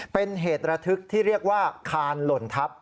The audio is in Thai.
เป็นเหตุระทึกที่เรียกว่าคานหล่นทัพ